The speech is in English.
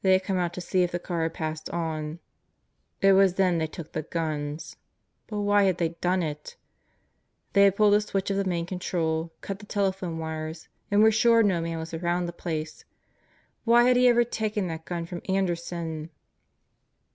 They had come out to see if the car had passed on. It was then they took the guns. But why had they done it? They had pulled the switch of the main control, cut the telephone wires, and were sure no man was around the place. Why had he ever taken that gun from Anderson?